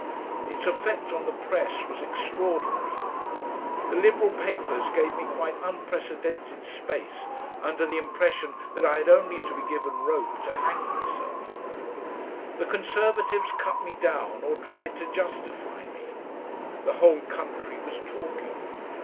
Its effect on the press was extraordinary. The Liberal papers gave me quite unprecedented space under the impression that I had only to be given rope to hang myself; the Conservatives cut me down or tried to justify me; the whole country was talking.